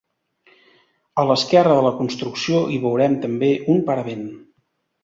A l'esquerra de la construcció hi veurem també un paravent.